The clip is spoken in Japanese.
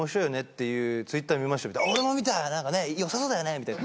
「何かねよさそうだよね」みたいな。